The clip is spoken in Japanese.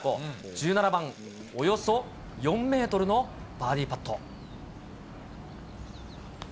１７番、およそ４メートルのバーディーパット。